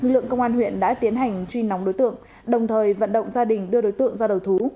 lượng công an huyện đã tiến hành truy nóng đối tượng đồng thời vận động gia đình đưa đối tượng ra đầu thú